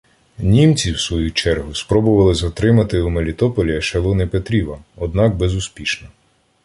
Німці, в свою чергу, спробували затримати у Мелітополі ешелони Петріва, однак безуспішно.